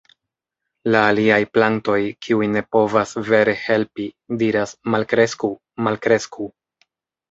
La aliaj plantoj, kiuj ne povas vere helpi, diras: "Malkresku! Malkresku!".